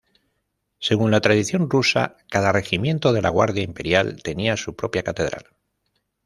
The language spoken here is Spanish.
Según la tradición rusa, cada regimiento de la guardia imperial tenía su propia catedral.